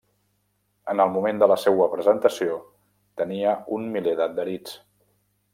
En el moment de la seua presentació tenia un miler d'adherits.